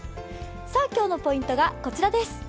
今日のポイントがこちらです。